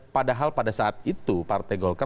padahal pada saat itu partai golkar